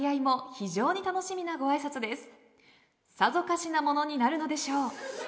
さぞかしなものになるのでしょう。